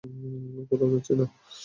কোথাও যাচ্ছি না।